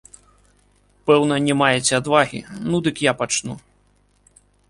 Пэўна, не маеце адвагі, ну дык я пачну.